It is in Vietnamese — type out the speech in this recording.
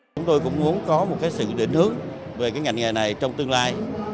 chúng tôi cũng muốn có một sự định hướng về ngành nghề này trong tương lai